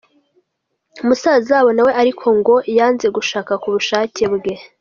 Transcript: Musaza wabo nawe ariko ngo yanze gushaka ku bushake bwe.